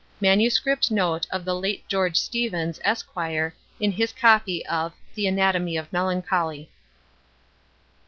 —Manuscript note of the late George Steevens, Esq., in his copy of THE ANATOMY OF MELANCHOLY.